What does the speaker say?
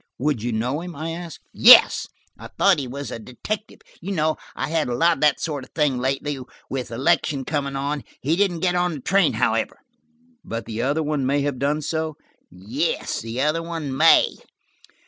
"Would you know him?" I asked. "Yes. I thought he was a detective; you know I've had a lot of that sort of thing lately, with election coming on. He didn't get on the train, however." "But the other one may have done so." "Yes, the other one may.